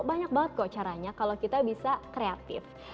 banyak banget kok caranya kalau kita bisa kreatif